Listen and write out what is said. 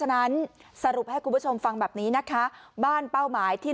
ฉะนั้นสรุปให้คุณผู้ชมฟังแบบนี้นะคะบ้านเป้าหมายที่